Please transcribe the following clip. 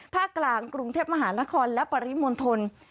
ภาคกลางกรุงเทพมหานครและปริมณฑล